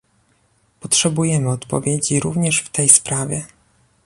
Potrzebujemy odpowiedzi również w tej sprawie